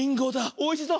おいしそう。